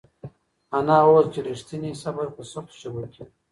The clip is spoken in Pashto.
انا وویل چې رښتینی صبر په سختو شېبو کې وي.